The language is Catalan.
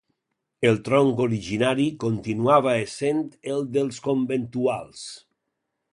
El tronc originari continuava essent el dels conventuals.